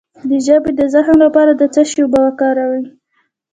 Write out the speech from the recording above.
د ژبې د زخم لپاره د څه شي اوبه وکاروم؟